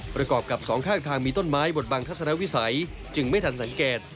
ประกอบกับสองข้างทางมีต้นไม้บทบังทัศนวิสัยจึงไม่ทันสังเกต